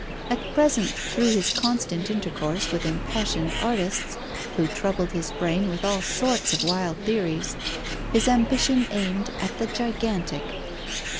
At present, through his constant intercourse with impassioned artists, who troubled his brain with all sorts of wild theories, his ambition aimed at the gigantic.